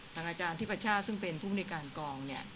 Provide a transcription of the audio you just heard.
ทางอาจารย์อธิบัชชาติซึ่งเป็นผู้ในการกอง